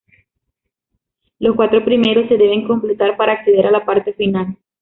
Los cuatro primeros se deben completar para acceder a la parte final.